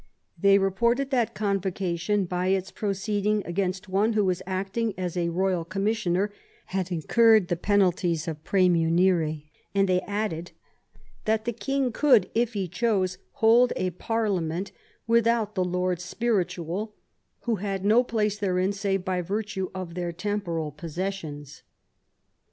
They reported that Convocation, by its proceeding against one who was acting as a royal commissioner, had incurred the penalties of praemunire, and they added that the king could, if he chose, hold a parliament without the lords spiritual, who had no place therein save by virtue of their temporal possessions.